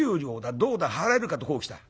どうだ払えるかとこうきた。